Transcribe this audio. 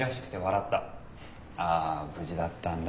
「あ無事だったんだ」